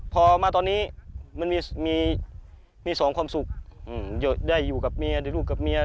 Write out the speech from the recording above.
พอมาตอนนี้มันมีสองความสุขได้อยู่กับเมียได้ลูกกับเมีย